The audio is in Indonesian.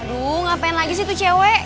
duh ngapain lagi sih tuh cewek